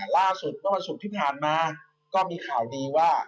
ล่าสุดเมื่อวันศุกร์ที่ผ่านมาก็มีข่าวดีว่า